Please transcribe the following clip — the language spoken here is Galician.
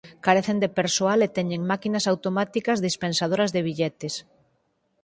Carecen de persoal e teñen máquinas automáticas dispensadoras de billetes.